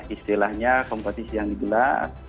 istilahnya kompetisi yang digelar